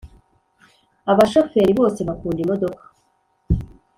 Abashoferi bose bakunda imodoka